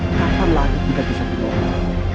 kapan lagi kita bisa berdoa